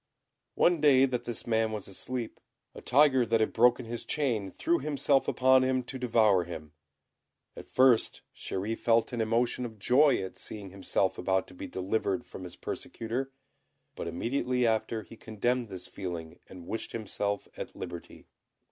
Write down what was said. One day that this man was asleep, a tiger that had broken his chain threw himself upon him to devour him; at first Chéri felt an emotion of joy at seeing himself about to be delivered from his persecutor, but immediately after he condemned this feeling and wished himself at liberty.